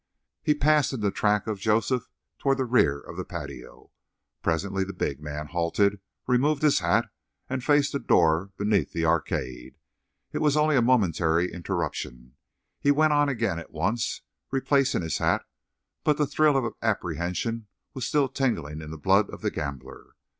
He passed in the track of Joseph toward the rear of the patio. Presently the big man halted, removed his hat, and faced a door beneath the arcade. It was only a momentary interruption. He went on again at once, replacing his hat, but the thrill of apprehension was still tingling in the blood of the gambler.